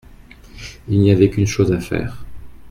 Il n'y avait qu'une chose à faire.